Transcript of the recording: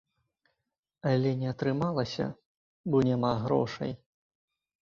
Але не атрымалася, бо няма грошай.